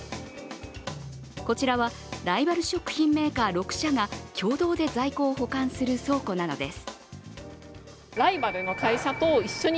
こちらはライバル食品メーカー６社が共同で在庫を保管する倉庫なのです。